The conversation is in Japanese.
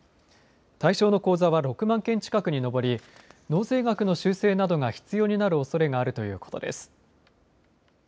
対象の口座は６万件近くにのぼり納税額の修正などが必要になるおそれがあるということです。